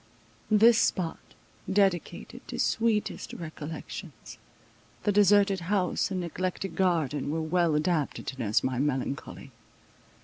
This spot, dedicated to sweetest recollections, the deserted house and neglected garden were well adapted to nurse my melancholy.